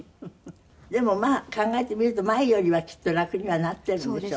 でもまあ考えてみると前よりはきっと楽にはなっているんでしょうね